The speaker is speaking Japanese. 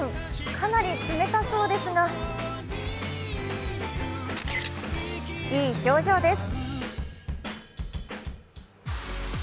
かなり冷たそうですが、いい表情です。